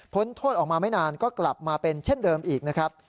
โทษออกมาไม่นานก็กลับมาเป็นเช่นเดิมอีกนะครับ